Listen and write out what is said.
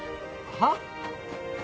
はっ？